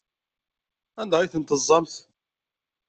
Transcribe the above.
Anda ay tent-teẓẓamt?